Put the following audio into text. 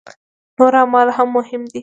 نور اعمال هم مهم دي.